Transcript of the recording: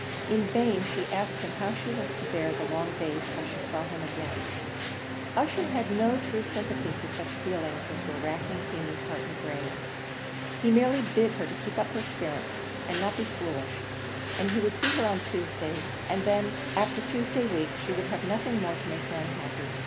In vain she asked him how she was to bear the long days till she saw him again; Ussher had no true sympathy for such feelings as were racking Feemy's heart and brain; he merely bid her keep up her spirits, and not be foolish; that he would see her on Tuesday, and that after Tuesday week she would have nothing more to make her unhappy.